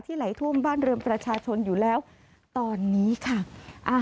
ไหลท่วมบ้านเรือนประชาชนอยู่แล้วตอนนี้ค่ะ